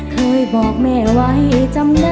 เคยบอกแม่ไว้จำเลย